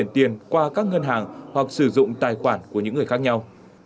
tiền qua các ngân hàng hoặc sử dụng tài khoản của những người khác nhau